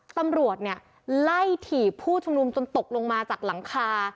ตำรวจเนี่ยไล่ถีบผู้ชุมนุมจนตกลงมาจากหลังคา